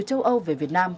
với châu âu về việt nam